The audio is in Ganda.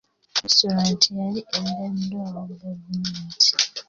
Restaurant yali eggaddwawo gavumenti.